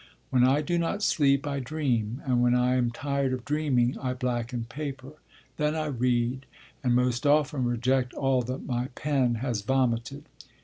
When I do not sleep I dream, and when I am tired of dreaming I blacken paper, then I read, and most often reject all that my pen has vomited.'